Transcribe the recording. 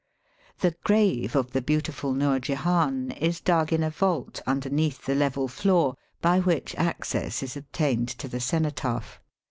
The grave of the beautiful Noor Jehan is dug in a vault underneath the level floor by which access is obtained to the cenotaph.